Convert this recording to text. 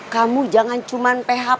kamu jangan cuman php